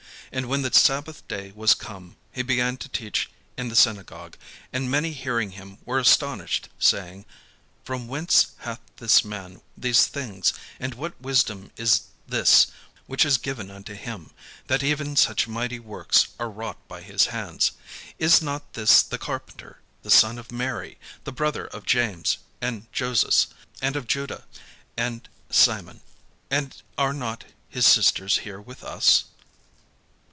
And when the sabbath day was come, he began to teach in the synagogue: and many hearing him were astonished, saying: "From whence hath this man these things and what wisdom is this which is given unto him, that even such mighty works are wrought by his hands? Is not this the carpenter, the son of Mary, the brother of James, and Joses, and of Juda, and Simon? And are not his sisters here with us?"